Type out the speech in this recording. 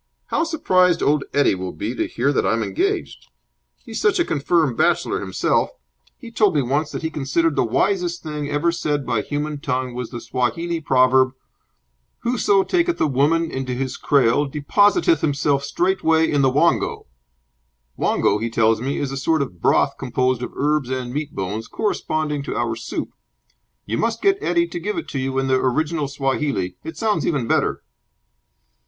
How surprised old Eddie will be to hear that I'm engaged. He's such a confirmed bachelor himself. He told me once that he considered the wisest thing ever said by human tongue was the Swahili proverb 'Whoso taketh a woman into his kraal depositeth himself straightway in the wongo.' Wongo, he tells me, is a sort of broth composed of herbs and meat bones, corresponding to our soup. You must get Eddie to give it you in the original Swahili. It sounds even better."